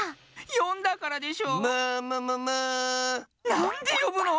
なんでよぶの！